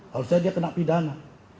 harusnya dia kena pidana